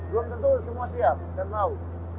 belum tentu semua siap dan mau